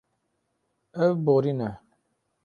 Ew borîne.